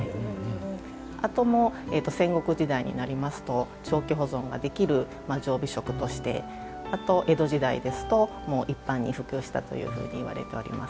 あと、戦国時代になりますと長期保存ができる常備食としてあと江戸時代ですと一般に普及したというふうにいわれております。